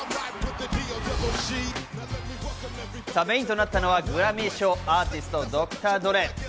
メインとなったのはグラミー賞アーティスト、ドクター・ドレー。